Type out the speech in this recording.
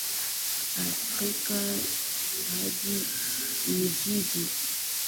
Alikuwa mmisionari na daktari aliyezunguka nchi zote za Kusini mwa Afrika hadi Ujiji